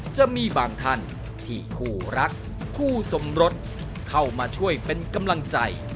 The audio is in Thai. จะมีบางท่านที่คู่รักคู่สมรสเข้ามาช่วยเป็นกำลังใจ